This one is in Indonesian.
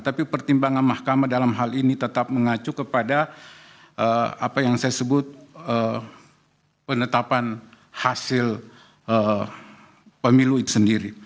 tapi pertimbangan mahkamah dalam hal ini tetap mengacu kepada apa yang saya sebut penetapan hasil pemilu itu sendiri